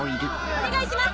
お願いします